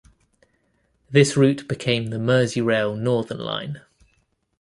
This route became the Merseyrail Northern Line.